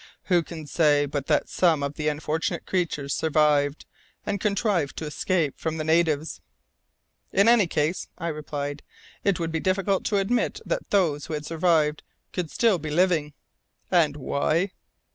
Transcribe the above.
"Who can say but that some of the unfortunate creatures survived, and contrived to escape from the natives?" "In any case," I replied, "it would be difficult to admit that those who had survived could still be living." "And why?"